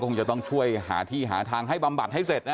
คงจะต้องช่วยหาที่หาทางให้บำบัดให้เสร็จนะ